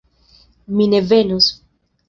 Mi ne venos.